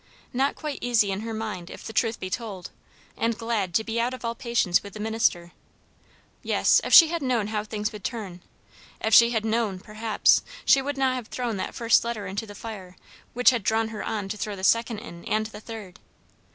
Not quite easy in her mind, if the truth be told, and glad to be out of all patience with the minister. Yes, if she had known how things would turn if she had known perhaps, she would not have thrown that first letter into the fire; which had drawn her on to throw the second in, and the third.